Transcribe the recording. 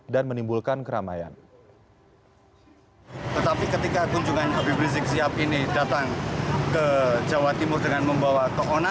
dan menimbulkan keramaian